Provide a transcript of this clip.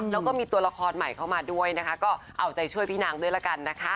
แล้วก็มีตัวละครใหม่เข้ามาด้วยนะคะก็เอาใจช่วยพี่นางด้วยละกันนะคะ